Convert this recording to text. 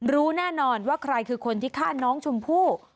รู้แน่นอนว่าใครคือคนที่ฆ่าน้องชมพู่